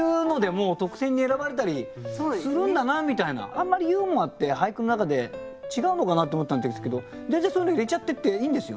あんまりユーモアって俳句の中で違うのかなって思ったんですけど全然そういうの入れちゃってっていいんですよね？